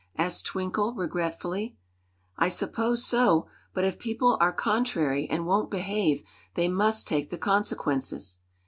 asked Twinkle, regretfully. "I suppose so; but if people are contrary, and won't behave, they must take the consequences.